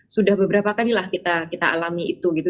sudah beberapa kalilah kita alami itu gitu